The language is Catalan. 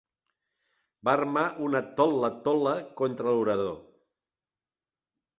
Van armar un tol·le-tol·le contra l'orador.